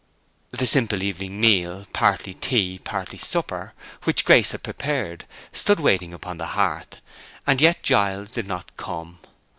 The simple evening meal, partly tea, partly supper, which Grace had prepared, stood waiting upon the hearth; and yet Giles did not come.